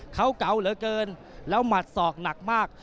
เขาเก๋าเหลือเกินแล้วหมัดศอกหนักมาก